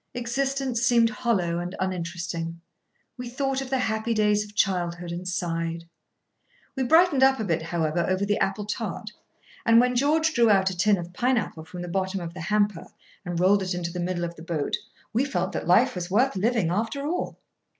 Existence seemed hollow and uninteresting. We thought of the happy days of childhood, and sighed. We brightened up a bit, however, over the apple tart, and, when George drew out a tin of pine apple from the bottom of the hamper, and rolled it into the middle of the boat, we felt that life was worth living after all.